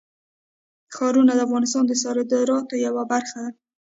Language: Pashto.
ښارونه د افغانستان د صادراتو یوه برخه ده.